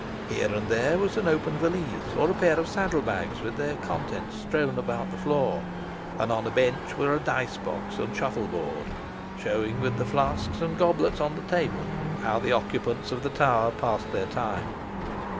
Here and there was an open valise, or a pair of saddle bags with their contents strewn about the floor, and on a bench were a dice box and shuffle board, showing, with the flasks and goblets on the table, how the occupants of the tower passed their time.